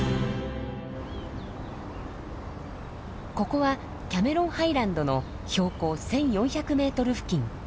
ここはキャメロンハイランドの標高１，４００メートル付近。